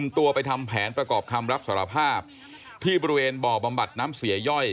ตัวไปทำแผนประกอบคำรับสารภาพที่บริเวณบ่อบำบัดน้ำเสียย่อย